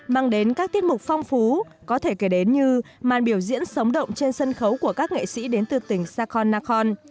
mang đến các tiết mục phong phú có thể kể đến như màn biểu diễn sống động trên sân khấu của các nghệ sĩ đến từ tỉnh sakon nakhon